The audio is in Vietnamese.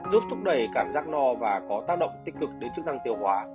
giúp thúc đẩy cảm giác no và có tác động tích cực đến chức năng tiêu hóa